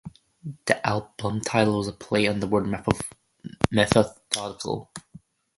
The album title is also a play on the word "methodical".